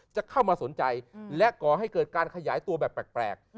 จะเข้ามาสนใจและก่อให้เกิดการขยายตัวแบบแปลก